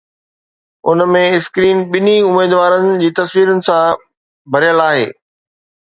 ان ۾، screen ٻنهي اميدوارن جي تصويرن سان ڀريل آهي